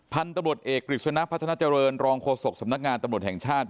พันธุ์ตำรวจเอกกฤษณะพัฒนาเจริญรองโฆษกสำนักงานตำรวจแห่งชาติ